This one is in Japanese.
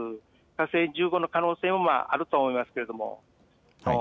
火星１５の可能性もあると思いますけれども。